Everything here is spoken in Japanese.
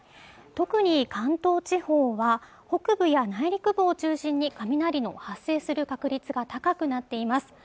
特に関東地方は北部や内陸部を中心に雷の発生する確率が高くなっています